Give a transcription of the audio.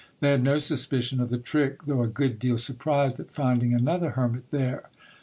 They had no suspicion of the trick, though a good deal surprised at finding another hermit there.